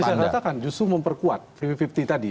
saya katakan justru memperkuat lima puluh lima puluh tadi